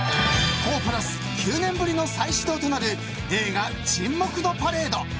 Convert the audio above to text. ９年ぶりの再始動となる映画沈黙のパレード。